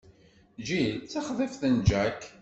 Jill d taxḍibt n Jack.